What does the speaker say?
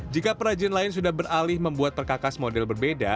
jika perajin lain sudah beralih membuat perkakas model berbeda